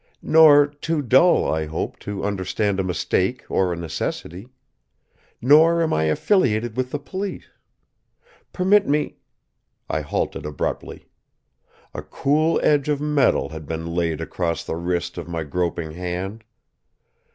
"Nor too dull, I hope, to understand a mistake or a necessity. Nor am I affiliated with the police! Permit me " I halted abruptly. A cool edge of metal had been laid across the wrist of my groping hand.